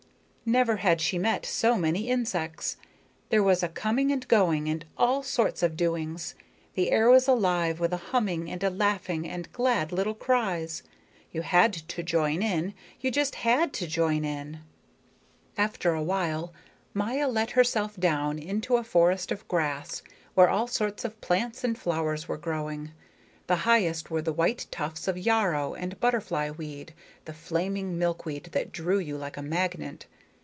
Never had she met so many insects. There was a coming and going and all sorts of doings; the air was alive with a humming and a laughing and glad little cries. You had to join in, you just had to join in. After a while Maya let herself down into a forest of grass, where all sorts of plants and flowers were growing. The highest were the white tufts of yarrow and butterfly weed the flaming milkweed that drew you like a magnet.